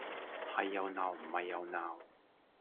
係又鬧唔係又鬧